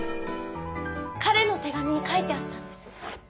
彼の手紙に書いてあったんです。